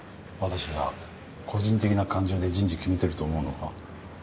私が個人的な感情で人事決めてると思うのか？